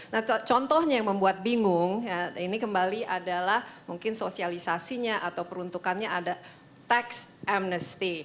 nah contohnya yang membuat bingung ini kembali adalah mungkin sosialisasinya atau peruntukannya ada tax amnesty